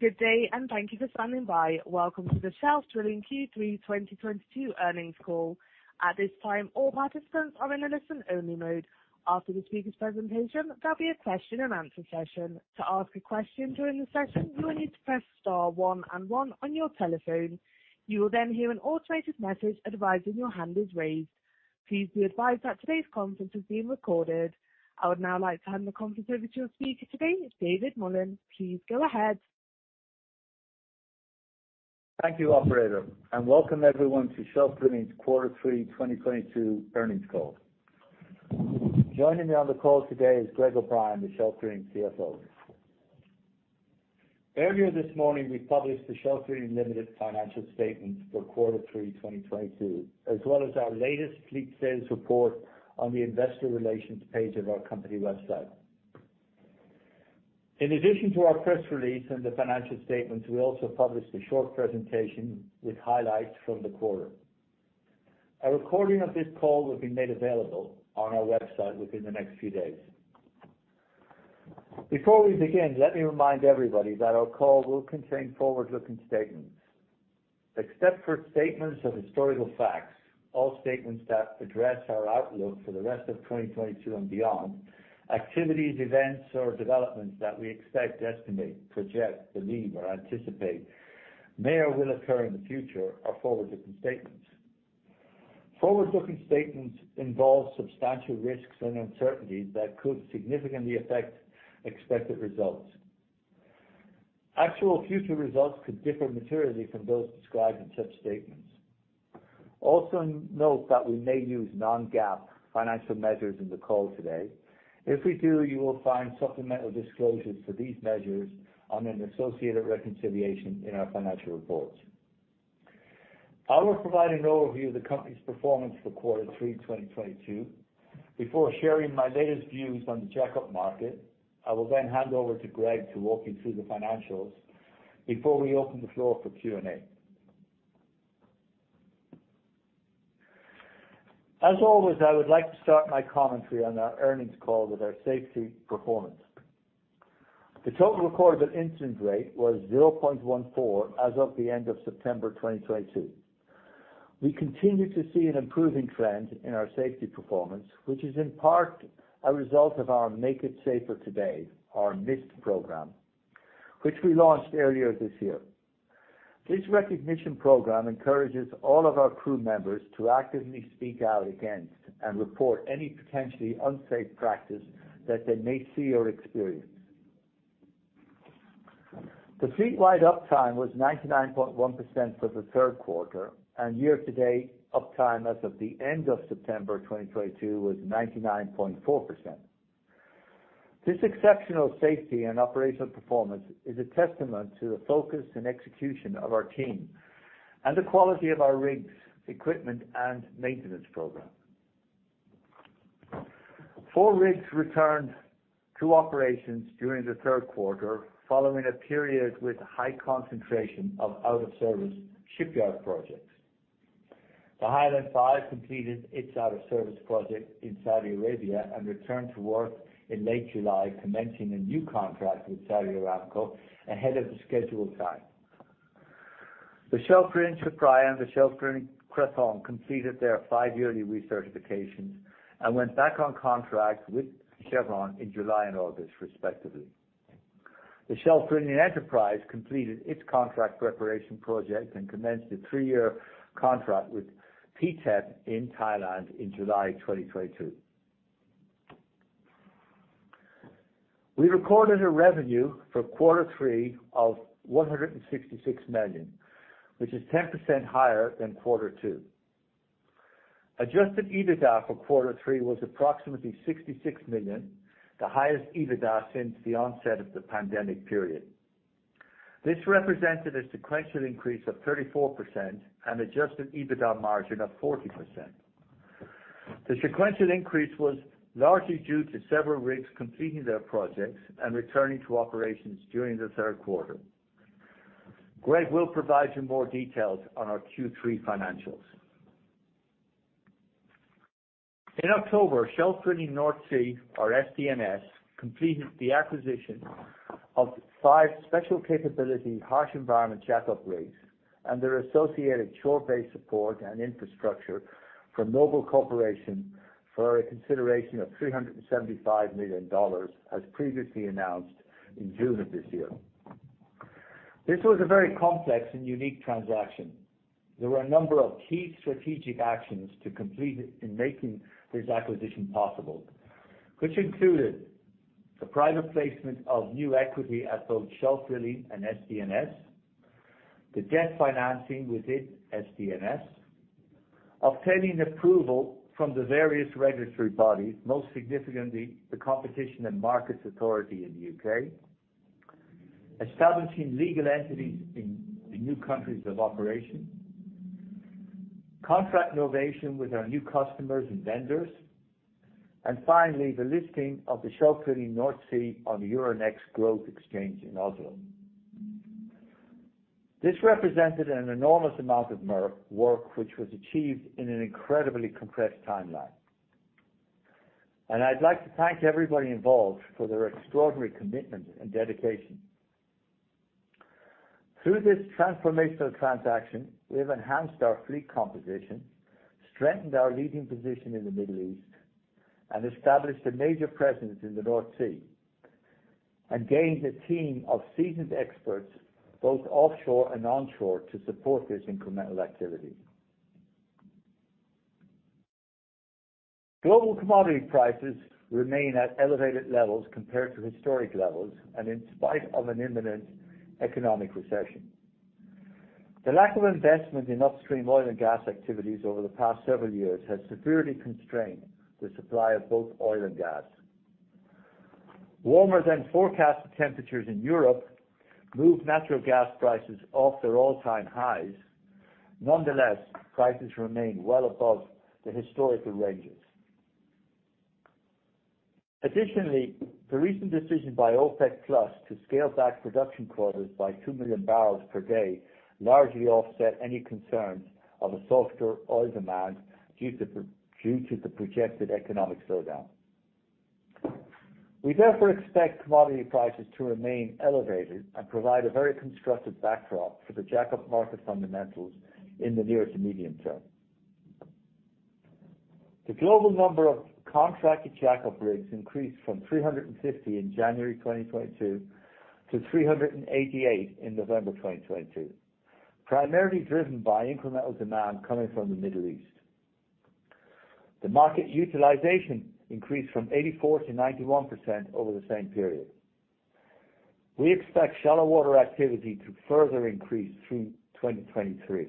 Good day and thank you for standing by. Welcome to the Shelf Drilling Q3 2022 earnings call. At this time, all participants are in a listen-only mode. After the speaker's presentation, there'll be a question-and-answer session. To ask a question during the session, you will need to press star one and one on your telephone. You will then hear an automated message advising your hand is raised. Please be advised that today's conference is being recorded. I would now like to hand the conference over to your speaker today, David Mullen. Please go ahead. Thank you, operator, and welcome everyone to Shelf Drilling's Q3 2022 earnings call. Joining me on the call today is Greg O'Brien, the Shelf Drilling CFO. Earlier this morning, we published the Shelf Drilling, Ltd. financial statements for Q3 2022, as well as our latest fleet status report on the investor relations page of our company website. In addition to our press release and the financial statements, we also published a short presentation with highlights from the quarter. A recording of this call will be made available on our website within the next few days. Before we begin, let me remind everybody that our call will contain forward-looking statements. Except for statements of historical facts, all statements that address our outlook for the rest of 2022 and beyond, activities, events, or developments that we expect, estimate, project, believe, or anticipate may or will occur in the future are forward-looking statements. Forward-looking statements involve substantial risks and uncertainties that could significantly affect expected results. Actual future results could differ materially from those described in such statements. Also note that we may use non-GAAP financial measures in the call today. If we do, you will find supplemental disclosures for these measures on an associated reconciliation in our financial reports. I will provide an overview of the company's performance for Q3 2022 before sharing my latest views on the jack-up market. I will then hand over to Greg to walk you through the financials before we open the floor for Q&A. As always, I would like to start my commentary on our earnings call with our safety performance. The Total Recordable Incident Rate was 0.14 as of the end of September 2022. We continue to see an improving trend in our safety performance, which is in part a result of our Make It Safer Today, or MIST program, which we launched earlier this year. This recognition program encourages all of our crew members to actively speak out against and report any potentially unsafe practice that they may see or experience. The fleet-wide uptime was 99.1% for the Q3, and year-to-date uptime as of the end of September 2022 was 99.4%. This exceptional safety and operational performance is a testament to the focus and execution of our team and the quality of our rigs, equipment, and maintenance program. Four rigs returned to operations during the third quarter, following a period with high concentration of out-of-service shipyard projects. The Highland V completed its out-of-service project in Saudi Arabia and returned to work in late July, commencing a new contract with Saudi Aramco ahead of the scheduled time. The Shelf Drilling Supra and the Shelf Drilling Krathong completed their five-yearly recertifications and went back on contract with Chevron in July and August, respectively. The Shelf Drilling Enterprise completed its contract preparation project and commenced a three-year contract with PTTEP in Thailand in July 2022. We recorded a revenue for Q3 of $166 million, which is 10% higher than Q2. Adjusted EBITDA for Q3 was approximately $66 million, the highest EBITDA since the onset of the pandemic period. This represented a sequential increase of 34% and adjusted EBITDA margin of 40%. The sequential increase was largely due to several rigs completing their projects and returning to operations during the Q3. Greg will provide you more details on our Q3 financials. In October, Shelf Drilling North Sea, or SDNS, completed the acquisition of five special capability harsh environment jack-up rigs and their associated shore-based support and infrastructure from Noble Corporation for a consideration of $375 million, as previously announced in June of this year. This was a very complex and unique transaction. There were a number of key strategic actions to complete it in making this acquisition possible, which included the private placement of new equity at both Shelf Drilling and SDNS, the debt financing within SDNS, obtaining approval from the various regulatory bodies, most significantly the Competition and Markets Authority in the U.K., establishing legal entities in new countries of operation, contract innovation with our new customers and vendors, and finally, the listing of the Shelf Drilling North Sea on the Euronext Growth exchange in Oslo. This represented an enormous amount of merger work which was achieved in an incredibly compressed timeline. I'd like to thank everybody involved for their extraordinary commitment and dedication. Through this transformational transaction, we have enhanced our fleet composition, strengthened our leading position in the Middle East, and established a major presence in the North Sea, and gained a team of seasoned experts, both offshore and onshore, to support this incremental activity. Global commodity prices remain at elevated levels compared to historic levels, and in spite of an imminent economic recession. The lack of investment in upstream oil and gas activities over the past several years has severely constrained the supply of both oil and gas. Warmer than forecasted temperatures in Europe moved natural gas prices off their all-time highs. Nonetheless, prices remain well above the historical ranges. Additionally, the recent decision by OPEC+ to scale back production quotas by 2 million barrels per day largely offset any concerns of a softer oil demand due to the projected economic slowdown. We therefore expect commodity prices to remain elevated and provide a very constructive backdrop for the jack-up market fundamentals in the near to medium term. The global number of contracted jack-up rigs increased from 350 in January 2022 to 388 in November 2022, primarily driven by incremental demand coming from the Middle East. The market utilization increased from 84%-91% over the same period. We expect shallow water activity to further increase through 2023,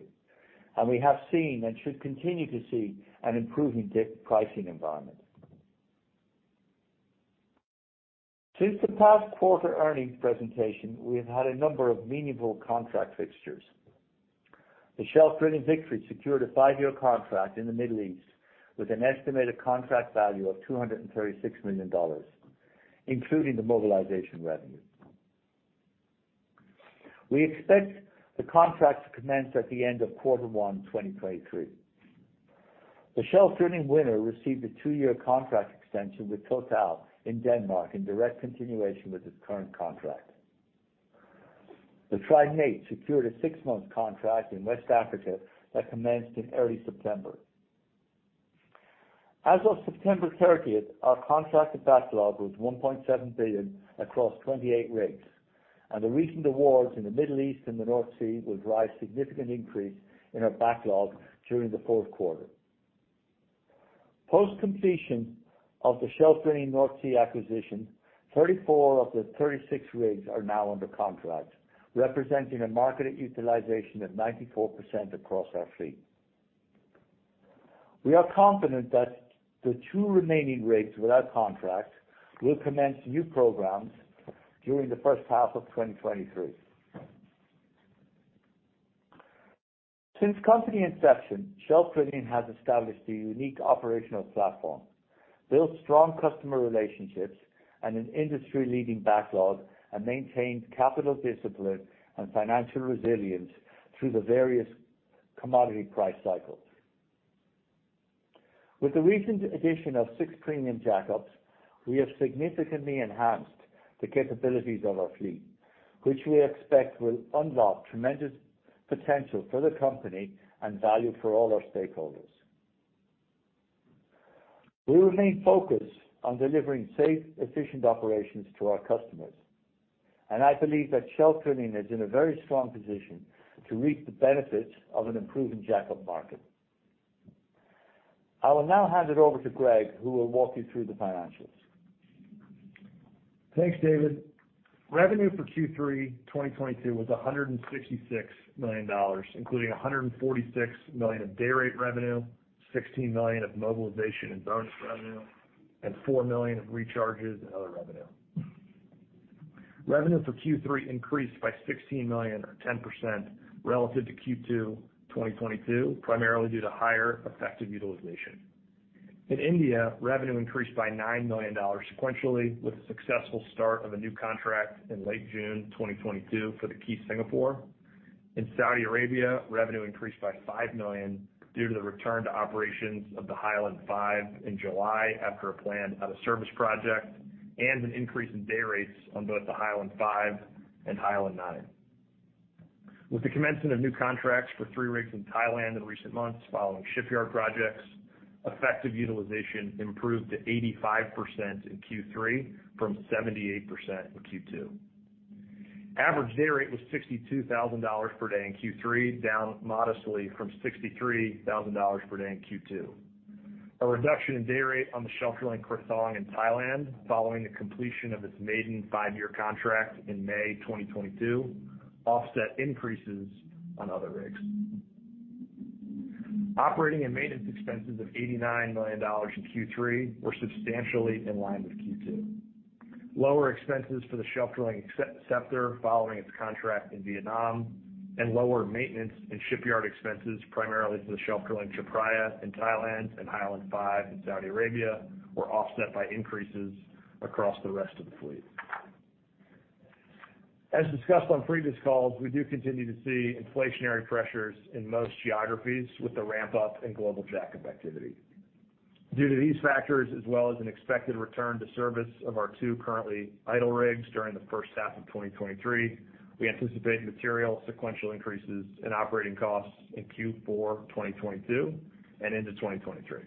and we have seen and should continue to see an improving dayrate pricing environment. Since the past quarter earnings presentation, we have had a number of meaningful contract fixtures. The Shelf Drilling Victory secured a five-year contract in the Middle East with an estimated contract value of $236 million, including the mobilization revenue. We expect the contract to commence at the end of Q1, 2023. The Shelf Drilling Winner received a two-year contract extension with TotalEnergies in Denmark in direct continuation with its current contract. The Trident VIII secured a sixth-month contract in West Africa that commenced in early September. As of September 30, our contracted backlog was $1.7 billion across 28 rigs, and the recent awards in the Middle East and the North Sea will drive significant increase in our backlog during the Q4. Post completion of the Shelf Drilling North Sea acquisition, 34 rigs of the 36 rigs are now under contract, representing a market utilization of 94% across our fleet. We are confident that the two remaining rigs without contracts will commence new programs during the H1 of 2023. Since company inception, Shelf Drilling has established a unique operational platform, built strong customer relationships and an industry-leading backlog, and maintained capital discipline and financial resilience through the various commodity price cycles. With the recent addition of six premium jackups, we have significantly enhanced the capabilities of our fleet, which we expect will unlock tremendous potential for the company and value for all our stakeholders. We remain focused on delivering safe, efficient operations to our customers, and I believe that Shelf Drilling is in a very strong position to reap the benefits of an improving jackup market. I will now hand it over to Greg, who will walk you through the financials. Thanks, David. Revenue for Q3 2022 was $166 million, including $146 million of day rate revenue, $16 million of mobilization and bonus revenue, and $4 million of recharges and other revenue. Revenue for Q3 increased by $16 million or 10% relative to Q2 2022, primarily due to higher effective utilization. In India, revenue increased by $9 million sequentially with the successful start of a new contract in late June 2022 for the Key Singapore. In Saudi Arabia, revenue increased by $5 million due to the return to operations of the High Island V in July after a planned out-of-service project and an increase in day rates on both the High Island V and High Island IX. With the commencement of new contracts for three rigs in Thailand in recent months following shipyard projects, effective utilization improved to 85% in Q3 from 78% in Q2. Average day rate was $62,000 per day in Q3, down modestly from $63,000 per day in Q2. A reduction in day rate on the Shelf Drilling Koh Chang in Thailand following the completion of its maiden five-year contract in May 2022 offset increases on other rigs. Operating and maintenance expenses of $89 million in Q3 were substantially in line with Q2. Lower expenses for the Shelf Drilling Scepter following its contract in Vietnam, and lower maintenance and shipyard expenses, primarily for the Shelf Drilling Chaophraya in Thailand and Highland V in Saudi Arabia, were offset by increases across the rest of the fleet. As discussed on previous calls, we do continue to see inflationary pressures in most geographies with the ramp up in global jack-up activity. Due to these factors as well as an expected return to service of our two currently idle rigs during the H1 of 2023, we anticipate material sequential increases in operating costs in Q4 2022 and into 2023.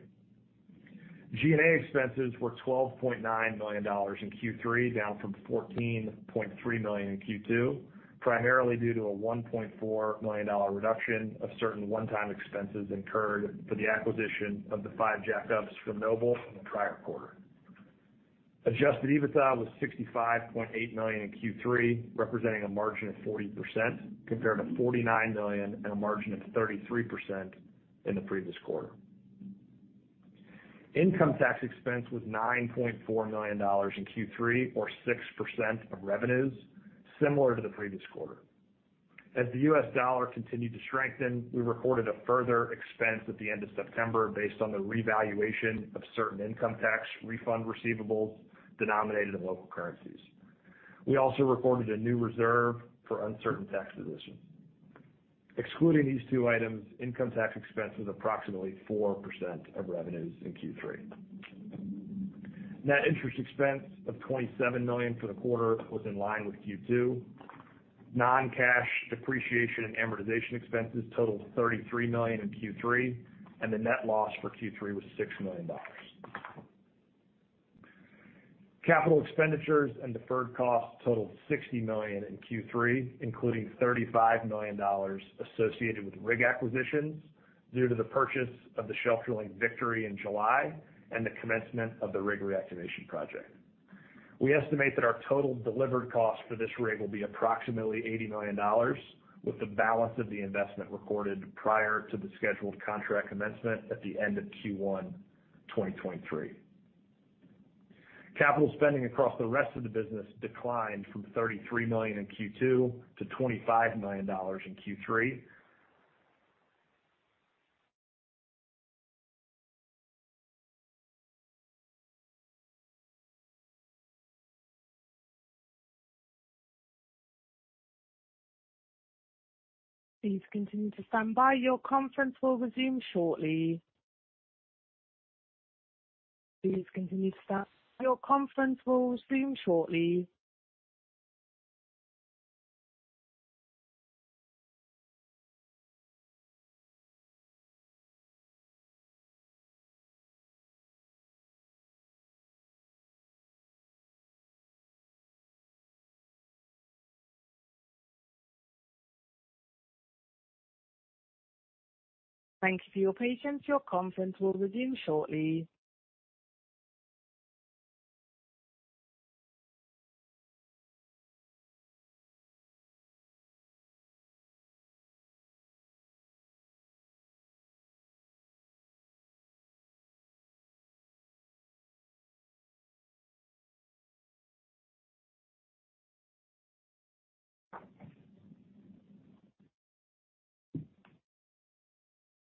G&A expenses were $12.9 million in Q3, down from $14.3 million in Q2, primarily due to a $1.4 million reduction of certain one-time expenses incurred for the acquisition of the five jackups from Noble in the prior quarter. Adjusted EBITDA was $65.8 million in Q3, representing a margin of 40% compared to $49 million and a margin of 33% in the previous quarter. Income tax expense was $9.4 million in Q3 or 6% of revenues, similar to the previous quarter. As the US dollar continued to strengthen, we reported a further expense at the end of September based on the revaluation of certain income tax refund receivables denominated in local currencies. We also reported a new reserve for uncertain tax positions. Excluding these two items, income tax expense was approximately 4% of revenues in Q3. Net interest expense of $27 million for the quarter was in line with Q2. Non-cash depreciation and amortization expenses totaled $33 million in Q3, and the net loss for Q3 was $6 million. Capital expenditures and deferred costs totaled $60 million in Q3, including $35 million associated with rig acquisitions due to the purchase of the Shelf Drilling Victory in July and the commencement of the rig reactivation project. We estimate that our total delivered cost for this rig will be approximately $80 million, with the balance of the investment recorded prior to the scheduled contract commencement at the end of Q1 2023. Capital spending across the rest of the business declined from $33 million in Q2-$25 million in Q3. Please continue to stand by. Your conference will resume shortly. Thank you for your patience. Your conference will resume shortly.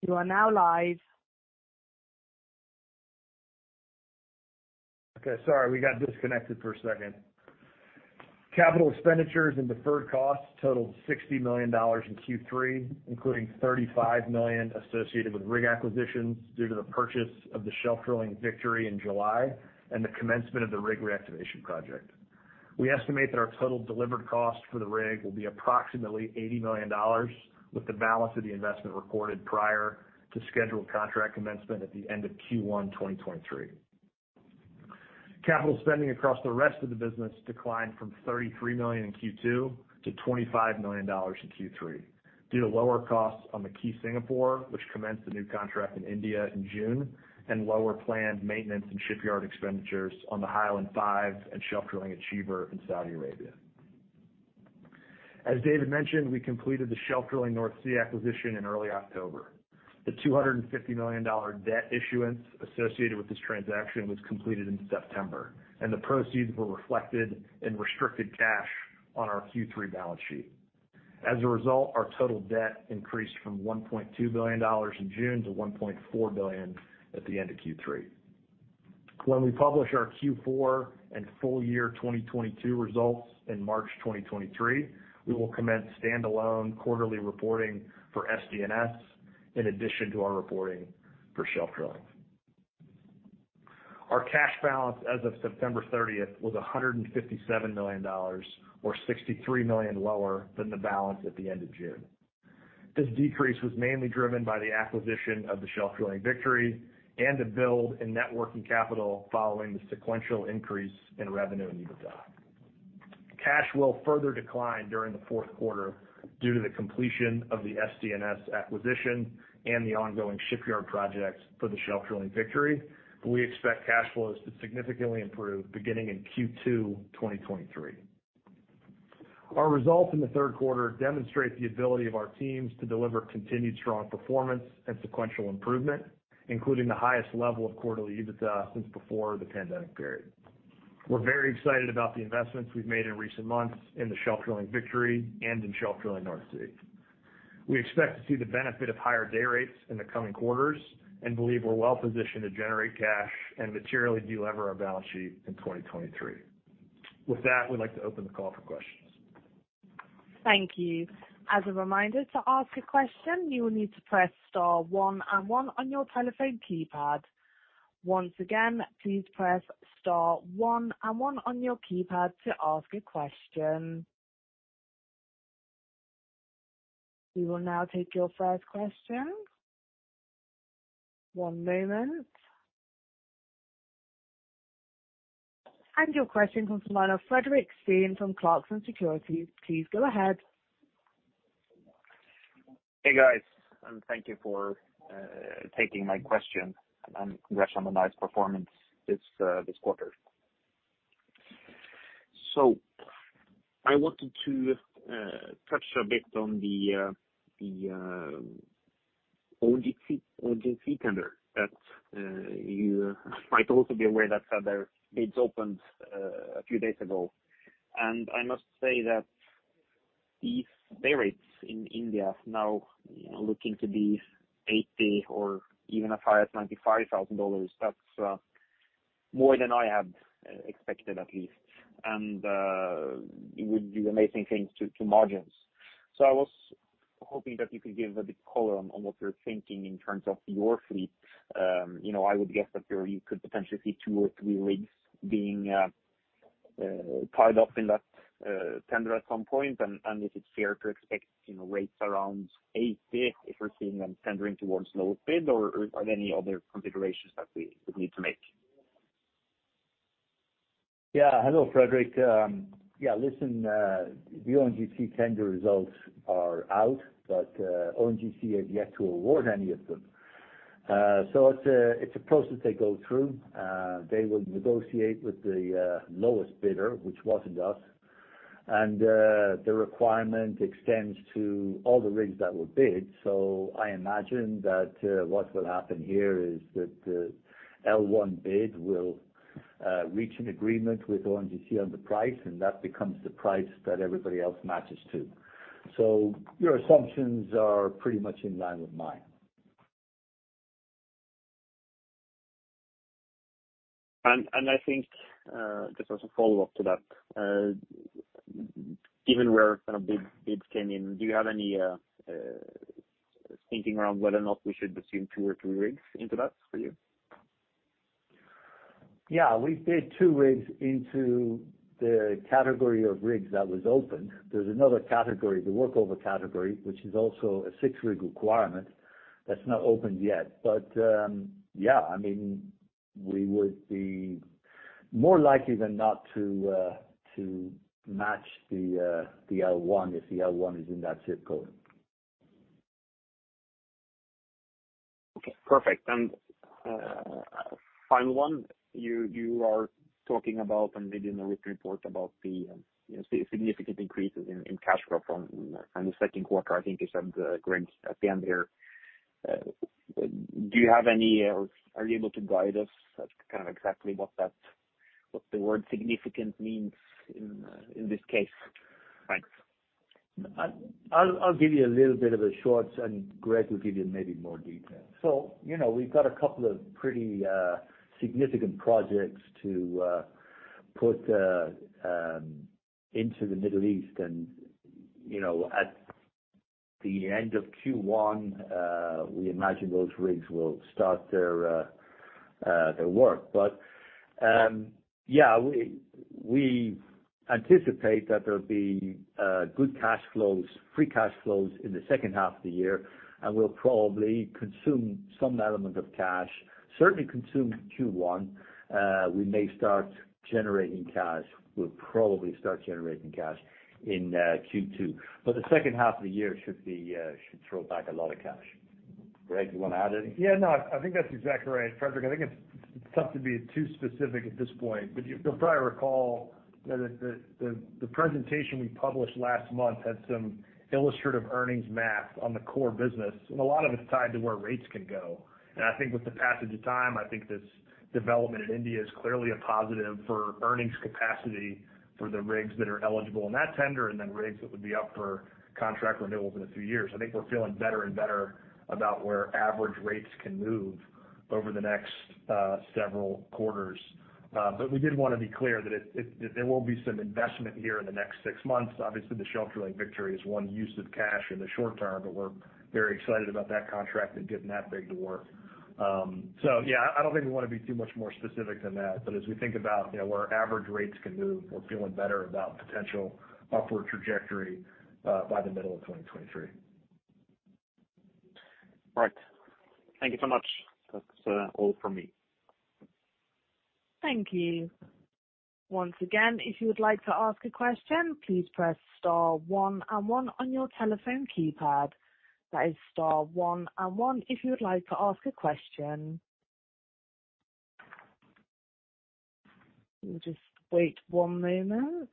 You are now live. Okay. Sorry, we got disconnected for a second. Capital expenditures and deferred costs totaled $60 million in Q3, including $35 million associated with rig acquisitions due to the purchase of the Shelf Drilling Victory in July and the commencement of the rig reactivation project. We estimate that our total delivered cost for the rig will be approximately $80 million, with the balance of the investment recorded prior to scheduled contract commencement at the end of Q1 2023. Capital spending across the rest of the business declined from $33 million in Q2-$25 million in Q3 due to lower costs on the Key Singapore, which commenced a new contract in India in June, and lower planned maintenance and shipyard expenditures on the Highland V and Shelf Drilling Achiever in Saudi Arabia. As David mentioned, we completed the Shelf Drilling North Sea acquisition in early October. The $250 million debt issuance associated with this transaction was completed in September, and the proceeds were reflected in restricted cash on our Q3 balance sheet. As a result, our total debt increased from $1.2 billion in June-$1.4 billion at the end of Q3. When we publish our Q4 and full year 2022 results in March 2023, we will commence standalone quarterly reporting for SDNS in addition to our reporting for Shelf Drilling. Our cash balance as of September 30 was $157 million or $63 million lower than the balance at the end of June. This decrease was mainly driven by the acquisition of the Shelf Drilling Victory and a build in net working capital following the sequential increase in revenue and EBITDA. Cash will further decline during the Q4 due to the completion of the Shelf Drilling North Sea acquisition and the ongoing shipyard projects for the Shelf Drilling Victory. We expect cash flows to significantly improve beginning in Q2 2023. Our results in the Q3 demonstrate the ability of our teams to deliver continued strong performance and sequential improvement, including the highest level of quarterly EBITDA since before the pandemic period. We're very excited about the investments we've made in recent months in the Shelf Drilling Victory and in Shelf Drilling North Sea. We expect to see the benefit of higher day rates in the coming quarters and believe we're well positioned to generate cash and materially delever our balance sheet in 2023. With that, we'd like to open the call for questions. Thank you. As a reminder, to ask a question, you will need to press star one one on your telephone keypad. Once again, please press star one one on your keypad to ask a question. We will now take your first question. One moment. Your question from the line of Fredrik Stene from Clarksons Securities. Please go ahead. Hey, guys, and thank you for taking my question and congrats on the nice performance this quarter. I wanted to touch a bit on the ONGC tender that you might also be aware that other bids opened a few days ago. I must say that these day rates in India now looking to be $80,000 or even as high as $95,000, that's more than I had expected, at least. It would do amazing things to margins. I was hoping that you could give a bit color on what you're thinking in terms of your fleet. You know, I would guess that you could potentially see two or three rigs being tied up in that tender at some point. Is it fair to expect, you know, rates around $80 if we're seeing them tendering towards lower bid or are there any other configurations that we would need to make? Yeah. Hello, Fredrik. The ONGC tender results are out, but ONGC has yet to award any of them. It's a process they go through. They will negotiate with the lowest bidder, which wasn't us. The requirement extends to all the rigs that were bid. I imagine that what will happen here is that the L1 bid will reach an agreement with ONGC on the price, and that becomes the price that everybody else matches to. Your assumptions are pretty much in line with mine. I think, just as a follow-up to that, given where kind of bids came in, do you have any thinking around whether or not we should assume two or three rigs into that for you? Yeah. We bid two rigs into the category of rigs that was open. There's another category, the workover category, which is also a six-rig requirement that's not opened yet. Yeah, I mean, we would be more likely than not to match the L1 if the L1 is in that ZIP code. Okay, perfect. Final one. You are talking about and reading the report about the significant increases in cash flow from the Q2. I think you said, Greg, at the end there. Do you have any or are you able to guide us as to kind of exactly what the word significant means in this case? Thanks. I'll give you a little bit of a short and Greg will give you maybe more detail. You know, we've got a couple of pretty significant projects to put into the Middle East. You know, at the end of Q1, we imagine those rigs will start their work. Yeah, we anticipate that there'll be good cash flows, free cash flows in the H2 of the year, and we'll probably consume some element of cash, certainly consume Q1. We may start generating cash. We'll probably start generating cash in Q2. The H2 of the year should throw back a lot of cash. Greg, you wanna add anything? Yeah. No, I think that's exactly right, Fredrik. I think it's tough to be too specific at this point, but you'll probably recall that the presentation we published last month had some illustrative earnings math on the core business, and a lot of it's tied to where rates can go. I think with the passage of time, I think this development in India is clearly a positive for earnings capacity for the rigs that are eligible in that tender and then rigs that would be up for contract renewals in a few years. I think we're feeling better and better about where average rates can move over the next several quarters. But we did wanna be clear that there will be some investment here in the next six months. Obviously, the Shelf Drilling Victory is one use of cash in the short term, but we're very excited about that contract and getting that rig to work. Yeah, I don't think we wanna be too much more specific than that. As we think about, you know, where average rates can move, we're feeling better about potential upward trajectory by the middle of 2023. Right. Thank you so much. That's all for me. Thank you. Once again, if you would like to ask a question, please press star one one on your telephone keypad. That is star one one if you would like to ask a question. We'll just wait one moment.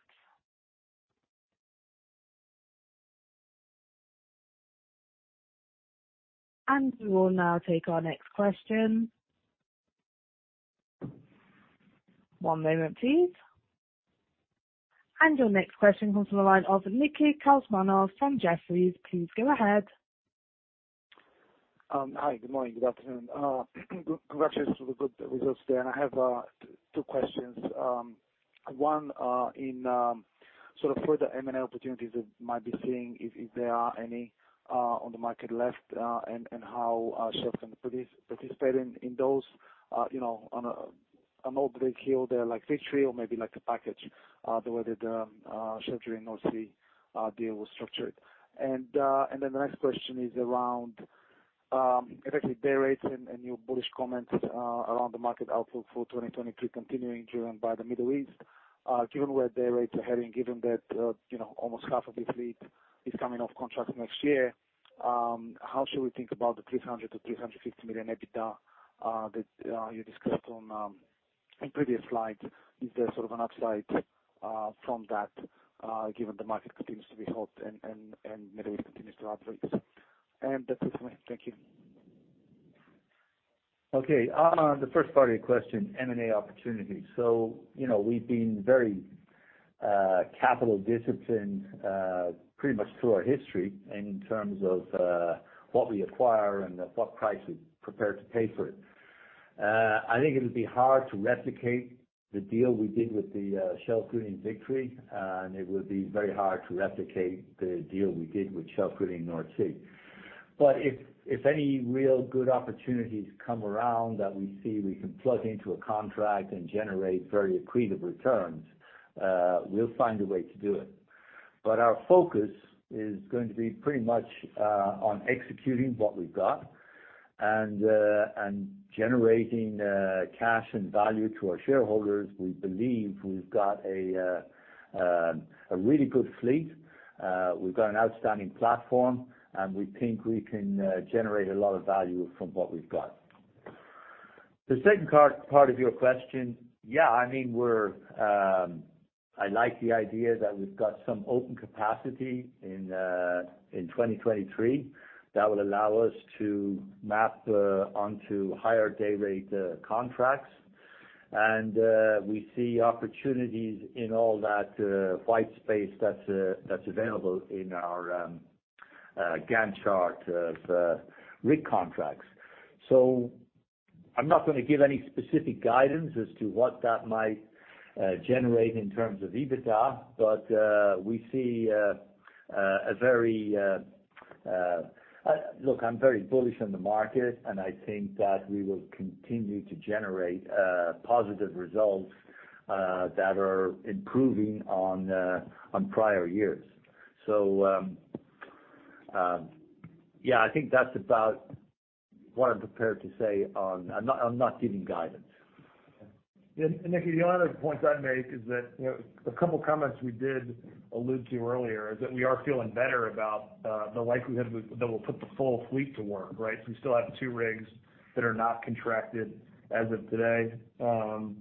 We will now take our next question. One moment please. Your next question comes from the line of Nikhil Bhat from Jefferies. Please go ahead. Hi, good morning. Good afternoon. Congratulations for the good results there. I have two questions. One, in sort of further M&A opportunities that might be seeing if there are any on the market left, and how Shelf can participate in those, you know, on a great deal there, like Victory or maybe like a package, the way that Shelf did in North Sea deal was structured. Then the next question is around effective dayrates and your bullish comments around the market outlook for 2023 continuing driven by the Middle East. Given where dayrates are heading, given that you know almost 1/2 of your fleet is coming off contract next year, how should we think about the $300 million-$350 million EBITDA that you discussed on in previous slides? Is there sort of an upside from that given the market continues to be hot and Middle East continues to operate? That's it for me. Thank you. Okay. On the first part of your question, M&A opportunities. You know, we've been very capital disciplined pretty much through our history in terms of what we acquire and at what price we're prepared to pay for it. I think it would be hard to replicate the deal we did with the Shelf Drilling Victory, and it would be very hard to replicate the deal we did with Shelf Drilling North Sea. If any real good opportunities come around that we see we can plug into a contract and generate very accretive returns, we'll find a way to do it. But our focus is going to be pretty much on executing what we've got and generating cash and value to our shareholders. We believe we've got a really good fleet. We've got an outstanding platform, and we think we can generate a lot of value from what we've got. The second part of your question. Yeah, I mean, we're. I like the idea that we've got some open capacity in 2023 that will allow us to map onto higher dayrate contracts. We see opportunities in all that white space that's available in our Gantt chart of rig contracts. I'm not gonna give any specific guidance as to what that might generate in terms of EBITDA, but Look, I'm very bullish on the market, and I think that we will continue to generate positive results that are improving on prior years. Yeah, I think that's about what I'm prepared to say on. I'm not giving guidance. Yeah. Nicky, the only other point I'd make is that, you know, a couple of comments we did allude to earlier is that we are feeling better about the likelihood that we'll put the full fleet to work, right? We still have two rigs that are not contracted as of today, and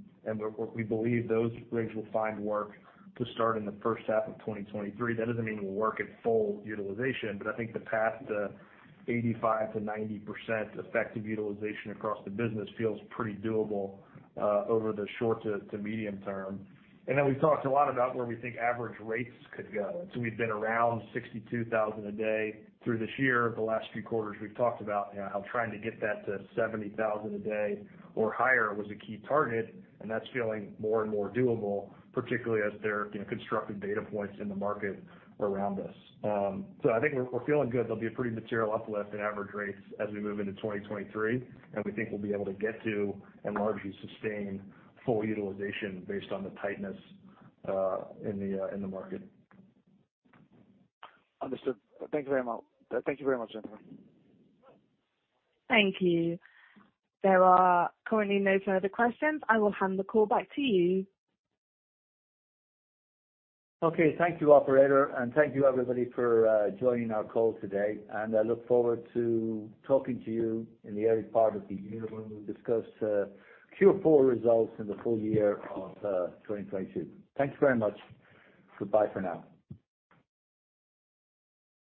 we believe those rigs will find work to start in the H1 of 2023. That doesn't mean we'll work at full utilization, but I think the past 85%-90% effective utilization across the business feels pretty doable over the short to medium term. We've talked a lot about where we think average rates could go. We've been around $62,000 a day through this year. The last few quarters, we've talked about, you know, how trying to get that to 70,000 a day or higher was a key target, and that's feeling more and more doable, particularly as they're, you know, constructing data points in the market around us. I think we're feeling good. There'll be a pretty material uplift in average rates as we move into 2023, and we think we'll be able to get to and largely sustain full utilization based on the tightness in the market. Understood. Thank you very much. Thank you very much, gentlemen. Thank you. There are currently no further questions. I will hand the call back to you. Okay. Thank you, operator. Thank you everybody for joining our call today. I look forward to talking to you in the early part of the year when we discuss Q4 results in the full year of 2022. Thank you very much. Goodbye for now.